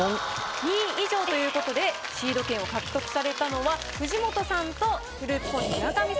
２位以上ということでシード権を獲得されたのは藤本さんとフルーツポンチ・村上さんです。